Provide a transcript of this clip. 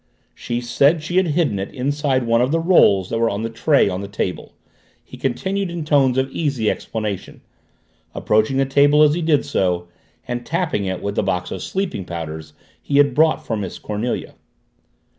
"She said she had hidden it inside one of the rolls that were on the tray on that table," he continued in tones of easy explanation, approaching the table as he did so, and tapping it with the box of sleeping powders he had brought for Miss Cornelia.